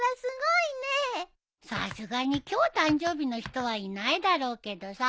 さすがに今日誕生日の人はいないだろうけどさ。